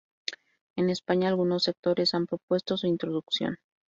En España algunos sectores han propuesto su introducción.